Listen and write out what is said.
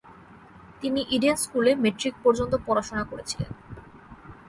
তিনি ইডেন স্কুলে মেট্রিক পর্যন্ত পড়াশোনা করেছিলেন।